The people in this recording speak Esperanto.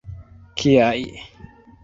Kiaj!